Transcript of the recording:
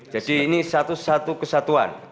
jadi ini satu satu kesatuan